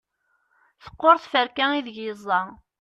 teqqur tferka ideg yeẓẓa